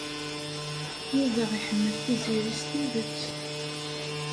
Yuba iḥemmel Tiziri s tidet.